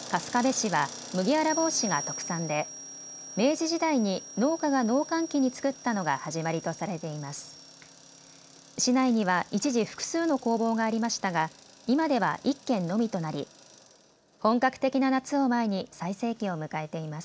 市内には一時、複数の工房がありましたが、今では１軒のみとなり本格的な夏を前に最盛期を迎えています。